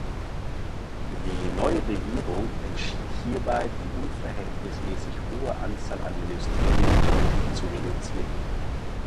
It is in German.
Die neue Regierung entschied hierbei die unverhältnismäßig hohe Anzahl an Ministerien deutlich zu reduzieren.